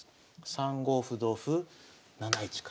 ３五歩同歩７一角。